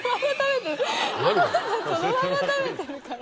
そのまま食べてるから。